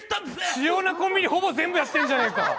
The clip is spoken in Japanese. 主要なコンビニほぼ全部やってんじゃねえか！